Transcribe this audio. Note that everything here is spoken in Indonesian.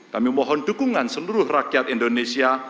kami mohon dukungan seluruh rakyat indonesia